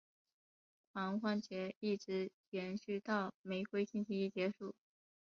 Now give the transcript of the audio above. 狂欢节一直延续到玫瑰星期一结束。